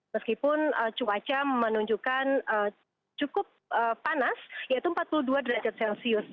meskipun cuaca menunjukkan cukup panas yaitu empat puluh dua derajat celcius